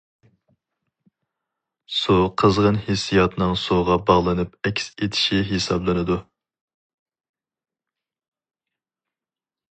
سۇ قىزغىن ھېسسىياتنىڭ سۇغا باغلىنىپ ئەكس ئېتىشى ھېسابلىنىدۇ.